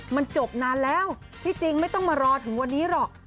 มันจบนานแล้วที่จริงไม่ต้องมารอถึงวันนี้หรอก